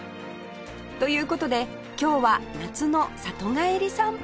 という事で今日は夏の里帰り散歩